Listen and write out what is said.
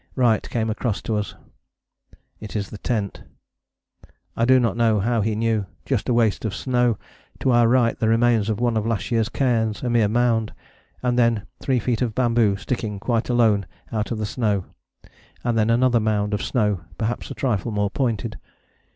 Wright came across to us. 'It is the tent.' I do not know how he knew. Just a waste of snow: to our right the remains of one of last year's cairns, a mere mound: and then three feet of bamboo sticking quite alone out of the snow: and then another mound, of snow, perhaps a trifle more pointed.